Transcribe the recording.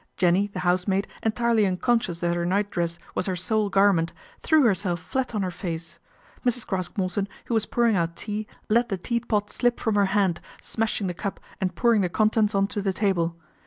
Jenny, the housemaid, entirely unconscious that her nightdress was her sole garment, threw her self flat on her face. Mrs. Craske Morton, who was pouring out tea, let the teapot slip from her hand, smashing the cup and pouring the contents on to the table.